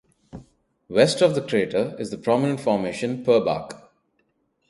West of the crater is the prominent formation Purbach.